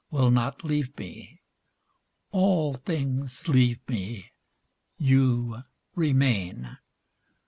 Will not leave me : all things leave me : You remain.